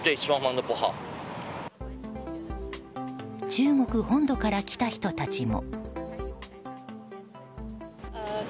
中国本土から来た人たちも。